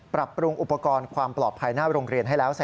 ปรับปรุงพรุทธความปลอบภัย